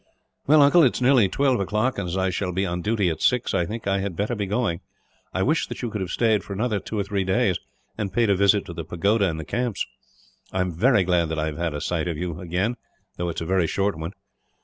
"Well, uncle, it is nearly twelve o'clock and, as I shall be on duty at six, I think I had better be going. I wish that you could have stayed for another two or three days, and paid a visit to the pagoda and camps. I am very glad that I have had a sight of you again, though it's a very short one."